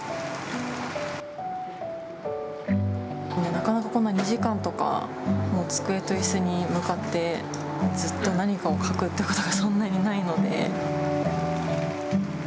なかなかこんな２時間とか机といすに向かってずっと何かを書くってことがそんなにないので。